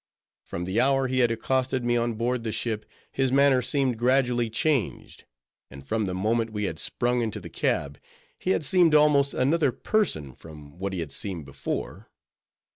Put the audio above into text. From the hour he had accosted me on board the ship, his manner seemed gradually changed; and from the moment we had sprung into the cab, he had seemed almost another person from what he had seemed before.